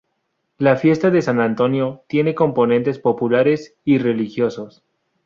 La fiesta de San Antonio tiene componentes populares y religiosos.